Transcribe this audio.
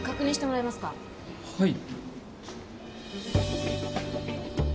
はい。